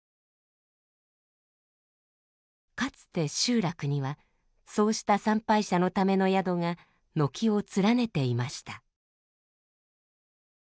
かつて集落にはそうした参拝者のための宿が軒を連ねていました。